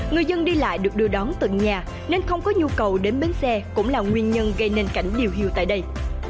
người dân đi lại được đưa đón tận nhà nên không có nhu cầu đến bến xe cũng là nguyên nhân gây nên cảnh điều hiêu tại đây